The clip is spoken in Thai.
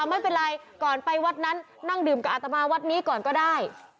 ไม่เป็นไรก่อนไปวัดนั้นนั่งดื่มกับอาตมาวัดนี้ก่อนก็ได้